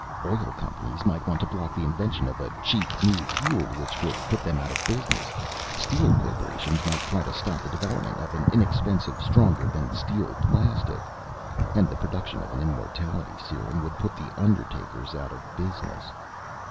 Oil companies might want to block the invention of a cheap new fuel which could put them out of business; steel corporations might try to stop the development of an inexpensive, stronger than steel plastic ... And the production of an immortality serum would put the undertakers out of business.